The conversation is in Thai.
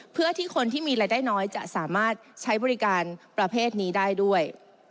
เพื่อที่คนที่มีรายได้น้อยจะสามารถใช้บริการประเภทนี้ได้ด้วย